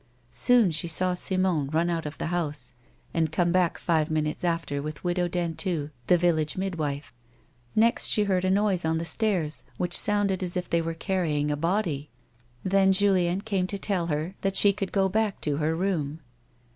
Soon she saw Simon run out of the house, and come back five minutes after with Widow Dentu, the village midwife. Next she heard a noise on the stairs which sovmded as if they were caiTying a body, then Julien came to tell her that she could go back to her room.